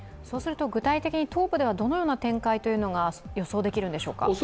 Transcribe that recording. そうすると具体的には東部でどのような展開が予想できるんでしょうか？